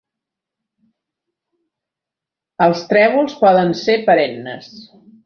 Els trèvols poden ser perennes.